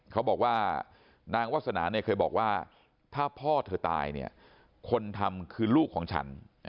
เขาบอกว่านางวาสนาเนี่ยเคยบอกว่าถ้าพ่อเธอตายเนี่ยคนทำคือลูกของฉัน